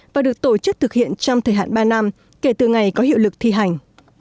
và được tổ chức thực hiện trong thời hạn ba năm kể từ ngày có hiệu lực thi hành